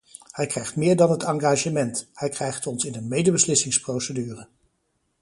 Hij krijgt meer dan het engagement: hij krijgt ons in een medebeslissingsprocedure.